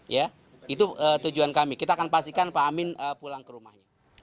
ya itu tujuan kami kita akan pastikan pak amin pulang ke rumahnya